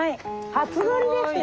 初取りですよ。